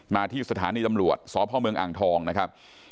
มาที่สถานีตำรวจสพเมืองอ่างทองนะครับ